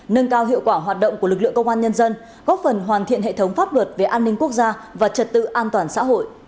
nâng cao hiệu quả hoạt động của lực lượng công an nhân dân góp phần hoàn thiện hệ thống pháp luật về an ninh quốc gia và trật tự an toàn xã hội